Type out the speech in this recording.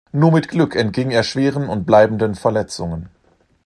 Nur mit Glück entging er schweren und bleibenden Verletzungen.